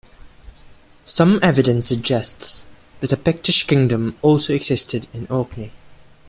Some evidence suggests that a Pictish kingdom also existed in Orkney.